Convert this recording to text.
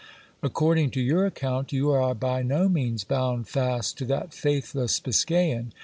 According to your account, you are by no means bound fast to that faithless Biscayan.